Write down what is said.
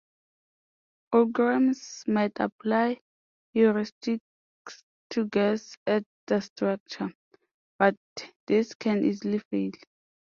Programs might apply heuristics to guess at the structure, but this can easily fail.